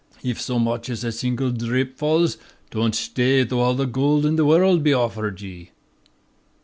If so much as a single dhrip falls, don't shtay though all the gold in the worrld was offered ye.'